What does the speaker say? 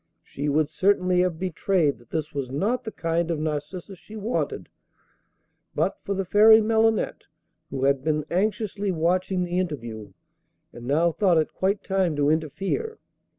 She would certainly have betrayed that this was not the kind of narcissus she wanted, but for the Fairy Melinette, who had been anxiously watching the interview, and now thought it quite time to interfere.